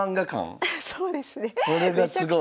このそうですね。